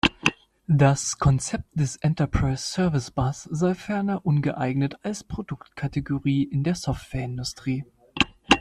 Das Konzept des "Enterprise Service Bus" sei ferner ungeeignet als Produktkategorie in der Softwareindustrie.